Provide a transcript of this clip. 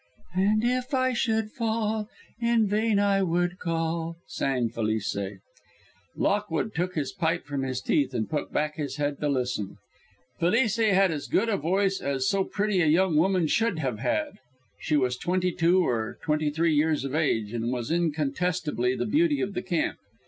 "And if I should fall, In vain I would call," sang Felice. Lockwood took his pipe from his teeth and put back his head to listen. Felice had as good a voice as so pretty a young woman should have had. She was twenty two or twenty three years of age, and was incontestably the beauty of the camp.